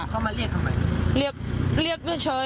เขามาเรียกทำไม